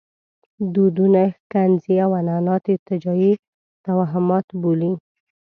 دودونه ښکنځي او عنعنات ارتجاعي توهمات بولي.